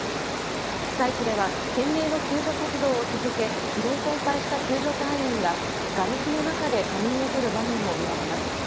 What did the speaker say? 被災地では懸命の救助活動を続け疲労困憊した救助隊員ががれきの中で仮眠をとる場面も見られます。